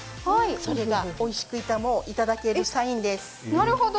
それがおいしくいただけるサインです。